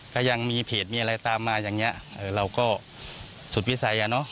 ก็ยังมีเพจมีอะไรตามมาอย่างนี้เราก็สุดวิสัยอ่ะเนอะ